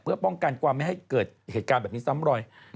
เพื่อป้องกันความไม่ให้เกิดเหตุการณ์แบบนี้ซ้ำรอย